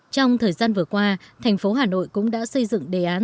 trong thời gian vừa qua thành phố hà nội cũng đã xây dựng đề án